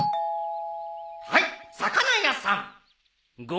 はい魚屋さん。